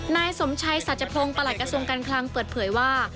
นายสมชัยสัจพงศ์ประหลัดกระทรวงการคลังเปิดเผยว่า